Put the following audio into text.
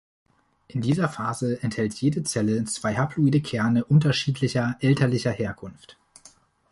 In dieser Phase enthält jede Zelle zwei haploide Kerne unterschiedlicher „elterlicher“ Herkunft.